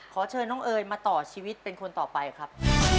ขอเชิญน้องเอ๋ยมาต่อชีวิตเป็นคนต่อไปครับ